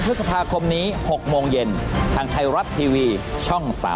พฤษภาคมนี้๖โมงเย็นทางไทยรัฐทีวีช่อง๓๒